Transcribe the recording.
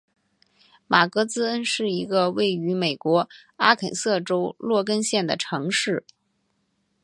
马格兹恩是一个位于美国阿肯色州洛根县的城市。